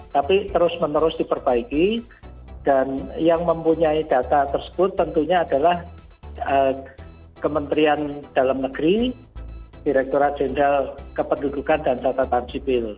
tapi terus menerus diperbaiki dan yang mempunyai data tersebut tentunya adalah kementerian dalam negeri direkturat jenderal kependudukan dan catatan sipil